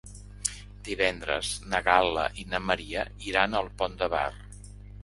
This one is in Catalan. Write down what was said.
Divendres na Gal·la i na Maria iran al Pont de Bar.